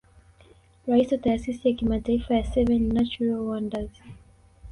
Rais wa taasisi ya Kimataifa ya Seven Natural Wonders